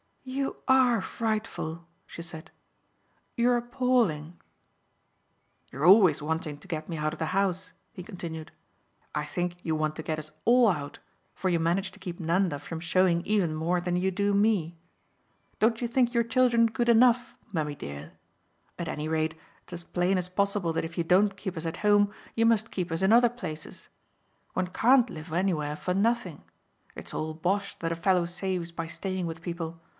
"You ARE frightful," she said. "You're appalling." "You're always wanting to get me out of the house," he continued; "I think you want to get us ALL out, for you manage to keep Nanda from showing even more than you do me. Don't you think your children good ENOUGH, mummy dear? At any rate it's as plain as possible that if you don't keep us at home you must keep us in other places. One can't live anywhere for nothing it's all bosh that a fellow saves by staying with people.